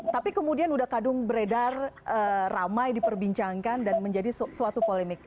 tapi kemudian udah kadung beredar ramai diperbincangkan dan menjadi suatu polemik